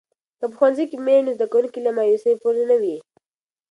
که په ښوونځي کې مینه وي، نو زده کوونکي له مایوسۍ پورې نه وي.